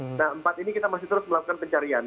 nah empat ini kita masih terus melakukan pencarian